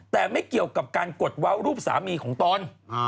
แต่ไม่เกี่ยวกับการกดเว้ารูปสามีของตน